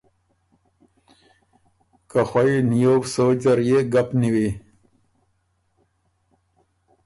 که خوئ نیوو سوچ زر يې ګپ نیوی۔